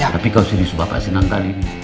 tapi kau serius pak senang kali ini